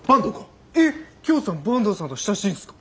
えっきょーさん坂東さんと親しいんすか？